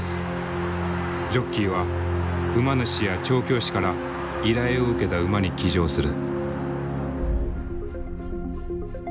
ジョッキーは馬主や調教師から依頼を受けた馬に騎乗する。